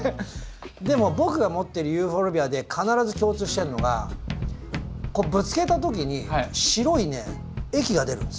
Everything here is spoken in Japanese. でも僕が持ってるユーフォルビアで必ず共通してるのがこうぶつけた時に白いね液が出るんですよ。